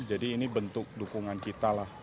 jadi ini bentuk dukungan kita